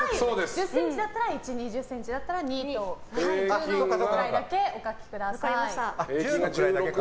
１０ｃｍだったら１２０ｃｍだったら２と１０の位だけお書きください。